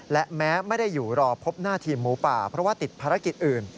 และแม้ไม่ได้อยู่รอพบหน้าทีมหมูป่าเพราะว่าติดภารกิจอื่น